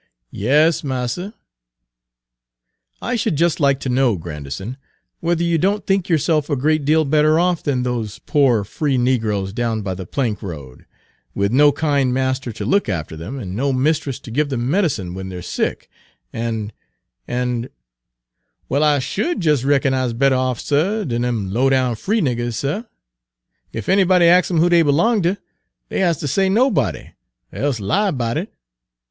"Y a s, marster." "I should just like to know, Grandison, whether you don't think yourself a great deal better off than those poor free negroes down by the plank road, with no kind master to look after them and no mistress to give them medicine when they're sick and and" "Well, I sh'd jes' reckon I is better off, suh, dan dem low down free niggers, suh! Page 179 Ef anybody ax 'em who dey b'long ter, dey has ter say nobody, er e'se lie erbout it.